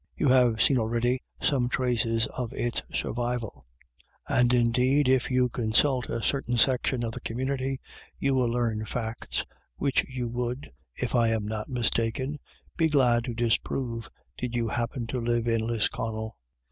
You have seen already some traces of its survival ; and, indeed, if you consult a certain section of the community, you will learn facts which you would, if I am not mistaken, be glad to disprove, did you happen to live in Lisconnel.